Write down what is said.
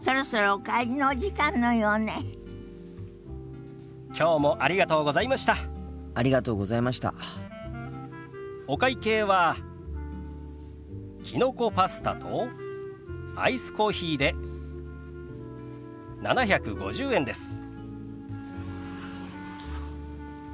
お会計はきのこパスタとアイスコーヒーで７５０円です。